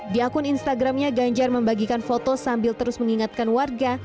di akun instagramnya ganjar membagikan foto sambil terus mengingatkan warga